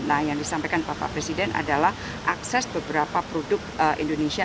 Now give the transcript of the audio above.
nah yang disampaikan bapak presiden adalah akses beberapa produk indonesia